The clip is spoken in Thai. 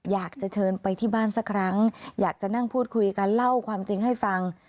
อยากจะเชิญไปที่บ้านสักครั้งอยากจะนั่งพูดคุยกันเล่าความจริงให้ฟัง